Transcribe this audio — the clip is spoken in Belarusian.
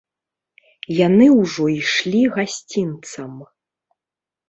Яны ўжо ішлі гасцінцам.